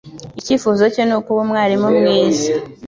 Icyifuzo cye ni ukuba umwarimu mwiza.